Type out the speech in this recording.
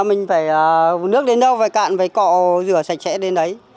mình phải nước đến đâu phải cạn với cọ rửa sạch sẽ đến đấy